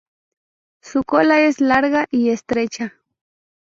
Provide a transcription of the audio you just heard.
Su cola es larga y estrecha.